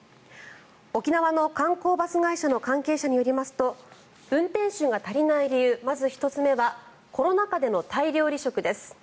沖縄の観光バス会社の関係者によりますと運転手が足りない理由まず１つ目はコロナ禍での大量離職です。